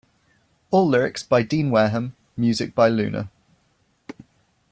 All lyrics by Dean Wareham, music by Luna.